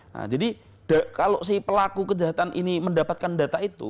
nah jadi kalau si pelaku kejahatan ini mendapatkan data itu